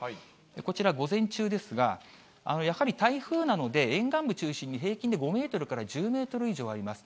こちら、午前中ですが、やはり台風なので、沿岸部中心に平均で５メートルから１０メートル以上あります。